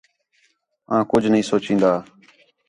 آں کُڄ نھیں سُچین٘دا